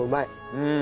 うん。